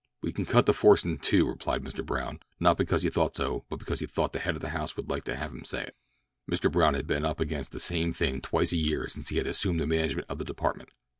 "We can cut the force in two," replied Mr. Brown, not because he thought so, but because he thought the head of the house would like to have him say it. Mr. Brown had been up against this same thing twice a year since he had assumed the management of the department.